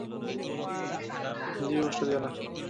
নিজেকে কষ্ট দিও না।